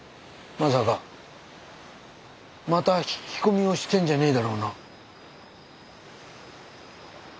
まさかまた引き込みをしてんじゃねえだろうな？